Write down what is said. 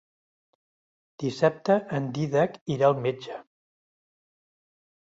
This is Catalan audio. Dissabte en Dídac irà al metge.